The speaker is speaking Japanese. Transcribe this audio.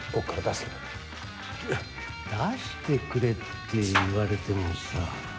出してくれって言われてもさ。